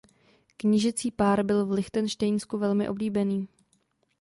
Knížecí pár byl v Lichtenštejnsku velmi oblíbený.